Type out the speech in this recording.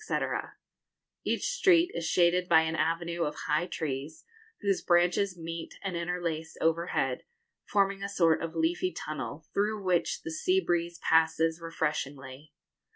Every street is shaded by an avenue of high trees, whose branches meet and interlace overhead, forming a sort of leafy tunnel, through which the sea breeze passes refreshingly.